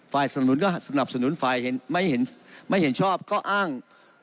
สนุนก็สนับสนุนฝ่ายไม่เห็นไม่เห็นชอบก็อ้าง